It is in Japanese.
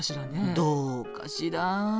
どうかしら。